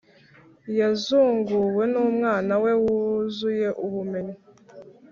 Yazunguwe n’umwana we wuzuye ubumenyi,